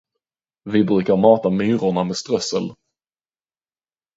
Vi brukar mata myrorna med strössel.